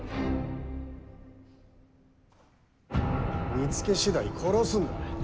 見つけ次第、殺すんだ。